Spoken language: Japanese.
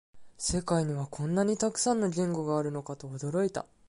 世界にはこんなにたくさんの言語があるのかと驚いた